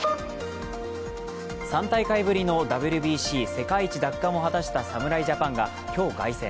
３大会ぶりのＷＢＣ世界一奪還を果たした侍ジャパンが今日、凱旋。